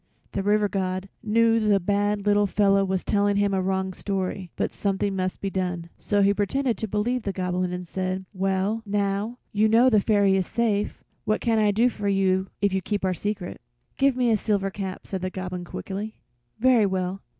The River God knew the bad little fellow was telling him a wrong story, but something must be done, so he pretended to believe the Goblin, and said: "Well, now you know the Fairy is safe, what can I do for you if you keep our secret?" "Give me a silver cap," said the Goblin, quickly. "Very well.